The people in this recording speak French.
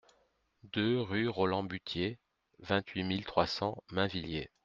deux rue Roland Buthier, vingt-huit mille trois cents Mainvilliers